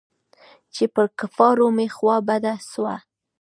چې پر کفارو مې خوا بده سوه.